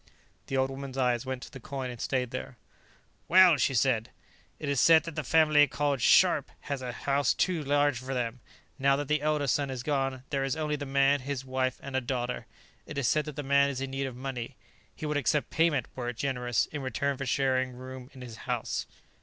The old woman's eyes went to the coin and stayed there. "Well," she said. "It is said that the family called Scharpe has a house too large for them, now that the elder son is gone; there is only the man, his wife and a daughter. It is said that the man is in need of money; he would accept payment, were it generous, in return for sharing room in his house."